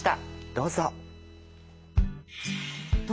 どうぞ。